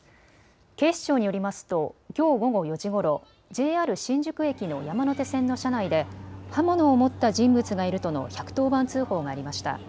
警視庁によりますときょう午後４時ごろ、ＪＲ新宿駅の山手線の車内で刃物を持った人物がいるとの１１０番通報がありました。